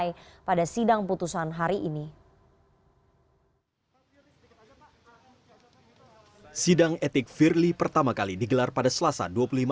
mengapa mengundurkan diri dari kpk di hari yang sama